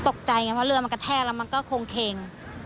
ตกใจไงเพราะเรือมันกระแทกแล้วมันก็คงเค็ง